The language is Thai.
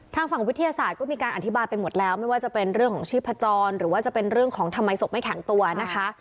ทางฝั่งวิทยาศาสตร์ก็มีการอธิบายไปหมดแล้วไม่ว่าจะเป็นเรื่องของชีพจรหรือว่าจะเป็นเรื่องของทำไมศพไม่แข็งตัวนะคะ